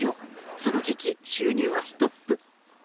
その時期収入はストップ。